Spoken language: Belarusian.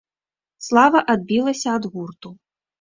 Слава адбілася ад гурту.